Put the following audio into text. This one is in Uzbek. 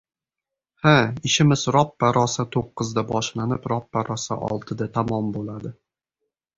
— Ha, ishimiz roppa-rosa to‘qqizda boshlanib, roppa-rosa oltida tamom bo‘ladi.